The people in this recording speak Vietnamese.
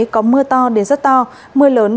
có mưa to đến rất to mưa lớn